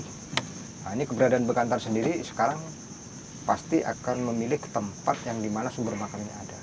nah ini keberadaan bekantan sendiri sekarang pasti akan memilih tempat yang dimana sumber makannya ada